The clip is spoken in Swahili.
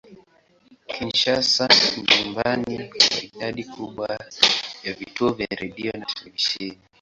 Kinshasa ni nyumbani kwa idadi kubwa ya vituo vya redio na televisheni.